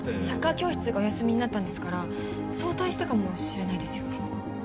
サッカー教室がお休みになったんですから早退したかもしれないですよね。